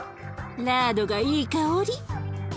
ラードがいい香り。